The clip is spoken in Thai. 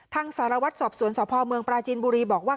สารวัตรสอบสวนสพเมืองปราจีนบุรีบอกว่า